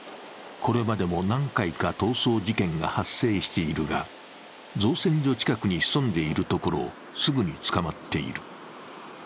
これまでも何回か逃走事件が発生しているが、造船所近くに潜んでいるところをすぐに捕まっている。